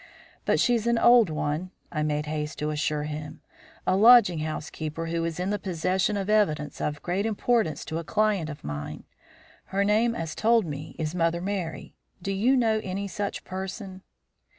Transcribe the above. "But she's an old one," I made haste to assure him; "a lodging house keeper who is in the possession of evidence of great importance to a client of mine. Her name, as told me, is Mother Merry; do you know any such person?"